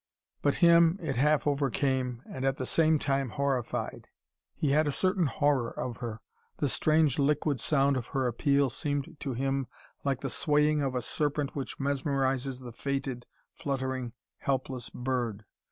But him, it half overcame, and at the same time, horrified. He had a certain horror of her. The strange liquid sound of her appeal seemed to him like the swaying of a serpent which mesmerises the fated, fluttering, helpless bird.